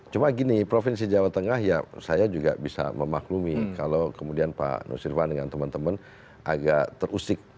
cuma gini provinsi jawa tengah ya saya juga bisa memaklumi kalau kemudian pak nusirwan dengan teman teman agak terusik